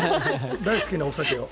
大好きなお酒を。